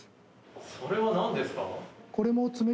それはなんですか？